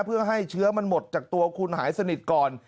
เพื่อให้เชื้อมันหมดจากตัวคุณหายสนิทก่อน